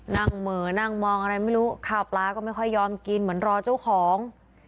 เหมือนั่งมองอะไรไม่รู้ข้าวปลาก็ไม่ค่อยยอมกินเหมือนรอเจ้าของ